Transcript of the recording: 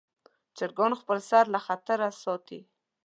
چرګان خپل سر له خطره ساتي.